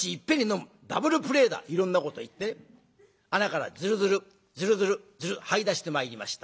いろんなこと言ってね穴からズルズルズルズルズルはい出してまいりました。